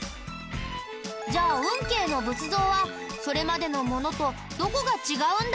じゃあ運慶の仏像はそれまでのものとどこが違うんだろう？